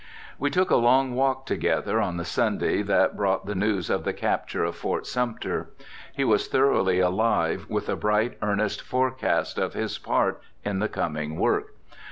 We took a long walk together on the Sunday that brought the news of the capture of Fort Sumter. He was thoroughly alive with a bright, earnest forecast of his part in the coming work.